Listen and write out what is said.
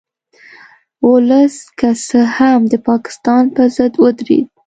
ولس که څه هم د پاکستان په ضد ودرید